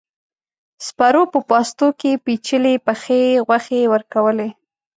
سپرو په پاستو کې پيچلې پخې غوښې ورکولې.